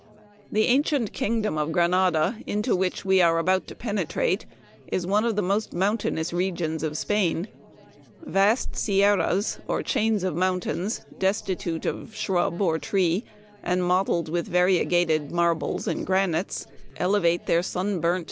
" The ancient kingdom of Granada, into which we are about to penetrate, is one of the most mountainous regions of Spain. Vast sierras, or chains of mountains, destitute of shrub or tree and mottled with variegated marbles and granites, elevate their sun burnt Memoir of Washington Irving.